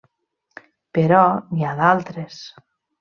Però n'hi ha d'altres.